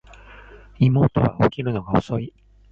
妹は起きるのが遅い